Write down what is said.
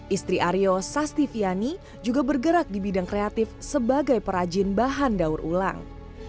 istri aryo sastiviani juga bergerak di bidang kreatif sebagai perajin bahan daur ulang